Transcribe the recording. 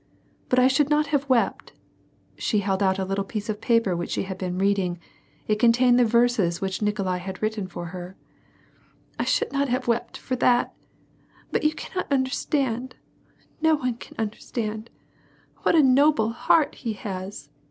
But I should not have wej)t. (She held out a piece of paper which she had been reiuling ; it contained the verses which Nikolai had written for her.) — I should not have wept for that — but you cannot understand — No one can understand — what a noble heart he has."